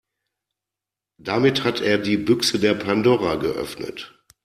Damit hat er die Büchse der Pandora geöffnet.